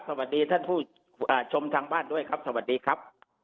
สวัสดีท่านผู้ชมทางบ้านด้วยครับสวัสดีครับ